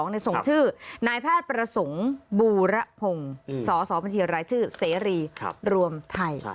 ในส่งชื่อนายภาพประสงค์บูรพงษ์สบริเวณรายชื่อเซรีรวมไทย